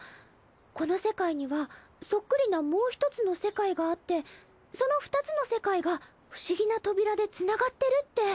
この世界にはそっくりなもう１つの世界があってその２つの世界が不思議な扉でつながってるって。